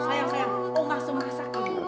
sayang sayang oma sudah merasakan